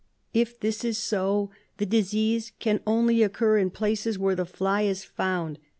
If this is so, the disease can only occur in places where the fly is found.